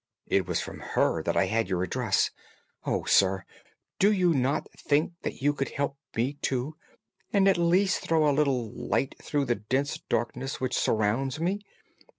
It was from her that I had your address. Oh, sir, do you not think that you could help me, too, and at least throw a little light through the dense darkness which surrounds me?